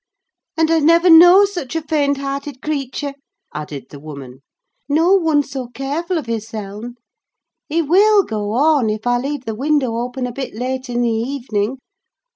"And I never knew such a faint hearted creature," added the woman; "nor one so careful of hisseln. He will go on, if I leave the window open a bit late in the evening.